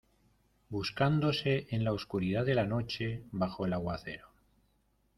buscándose en la oscuridad de la noche bajo el aguacero.